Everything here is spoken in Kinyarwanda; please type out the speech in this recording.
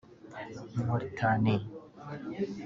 Mauritanie